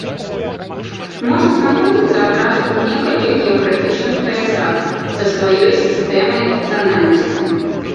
Можа знаходзіцца адразу ў некалькіх геаграфічных паясах са сваёй сістэмай занальнасці.